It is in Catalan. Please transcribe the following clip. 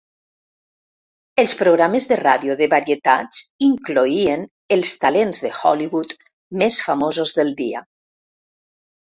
Els programes de ràdio de varietats incloïen els talents de Hollywood més famosos del dia.